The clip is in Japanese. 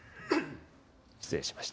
失礼しました。